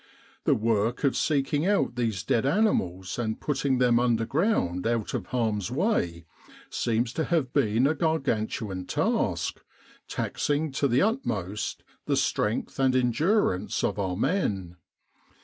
The work of seeking out these dead animals and putting them underground out of harm's way, seems to have been a gargantuan task, taxing to the utmost the strength and endurance of our men.